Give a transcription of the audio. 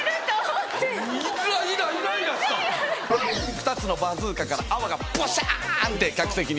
２つのバズーカから泡がボシャン！って客席に。